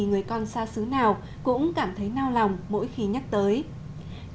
tôi thích thức ăn của quốc gia của anh